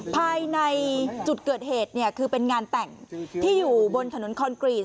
ภายในจุดเกิดเหตุเนี่ยคือเป็นงานแต่งที่อยู่บนถนนคอนกรีต